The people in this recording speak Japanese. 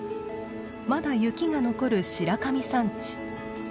まだ雪が残る白神山地。